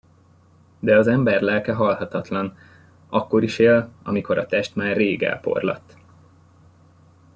De az ember lelke halhatatlan, akkor is él, amikor a test már rég elporladt.